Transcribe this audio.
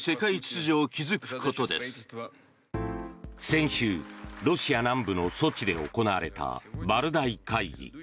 先週、ロシア南部のソチで行われたバルダイ会議。